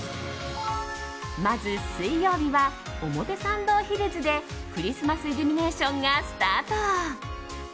まず水曜日は表参道ヒルズでクリスマスイルミネーションがスタート。